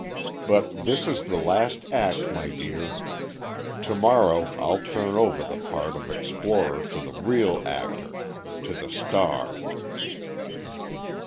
But this is the last act, my dear. To morrow I'll turn over the part of explorer to the real actor ... to the star."